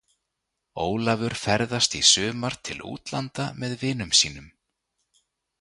Ólafur ferðast í sumar til útlanda með vinum sínum.